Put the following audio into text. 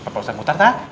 pak ustadz bukhtar tau